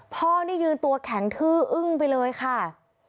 พ่อนี่ยืนตัวแข็งทื้ออึ้งไปเลยค่ะ